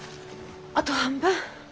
あと半分！